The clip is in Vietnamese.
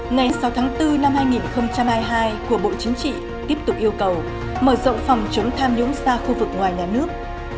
ngày sáu tháng bốn năm hai nghìn hai mươi hai của bộ chính trị tiếp tục yêu cầu mở rộng phòng chống tham nhũng ra khu vực ngoài nhà nước